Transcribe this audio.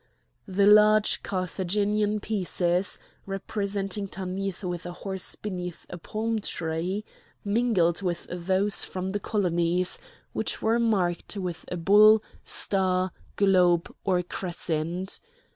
The large Carthaginian pieces, representing Tanith with a horse beneath a palm tree, mingled with those from the colonies, which were marked with a bull, star, globe, or crescent.